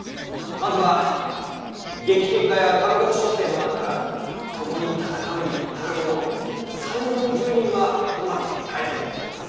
まずは撃剣家や漢学書生の中から共に戦うに足る者を３０４０人は伴って帰りたいと思います。